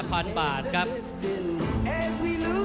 ท่านแรกครับจันทรุ่ม